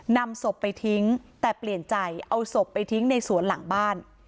นำศพไปทิ้งแต่เปลี่ยนใจเอาศพไปทิ้งในสวนหลังบ้าน